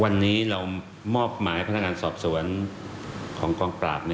วันนี้เรามอบหมายพนักงานสอบสวนของกองปราบ